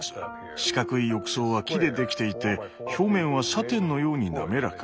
四角い浴槽は木でできていて表面はサテンのように滑らか。